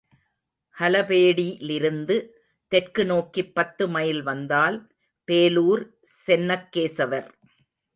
ஹலபேடிலிருந்து தெற்கு நோக்கிப் பத்து மைல் வந்தால் பேலூர் சென்னக்கேசவர்.